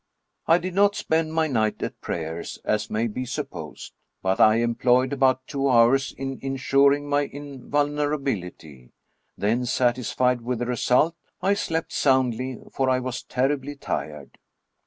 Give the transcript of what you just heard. I did not spend my night at prayers, as may be sup posed, but I employed about two hours in insuring my in vulnerability ; then, satisfied with the result, I slept soundly, for I was terribly tired.